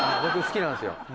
僕好きなんですよ。